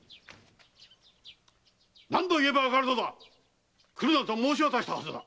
何度言えばわかるのだ⁉「来るな」と申し渡したはずだ！